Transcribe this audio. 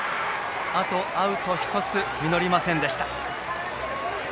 あとアウト１つ実りませんでした。